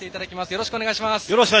よろしくお願いします。